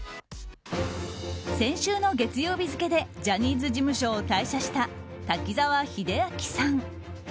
先週の月曜日付でジャニーズ事務所を退社した滝沢秀明さん。